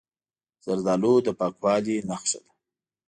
زردالو د پاکوالي نښه ده.